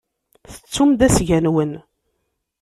Tettum-d asga-nwen.